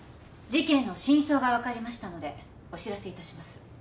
事件の真相が分かりましたのでお知らせいたします。